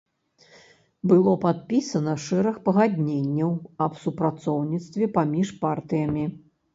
Было падпісана шэраг пагадненняў аб супрацоўніцтве паміж партыямі.